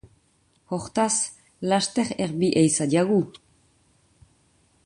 Hortaz, laster erbi ehiza diagu!.